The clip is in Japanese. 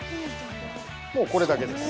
もう、これだけです。